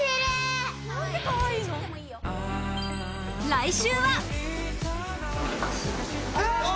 来週は。